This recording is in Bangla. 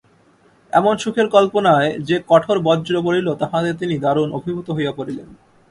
এমন সুখের কল্পনায় যে কঠোর বজ্র পড়িল, তাহাতে তিনি দারুণ অভিভূত হইয়া পড়িলেন।